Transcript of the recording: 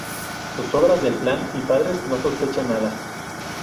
Sus obras del plan y los padres no sospechan nada.